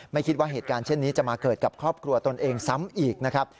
ไม่คิดว่าเหตุการณ์เช่นนี้จะมาเกิดกับครอบครัวตนเองซ้ำอีกนะครับ